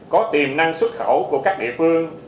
có tiềm năng xuất khẩu của các địa phương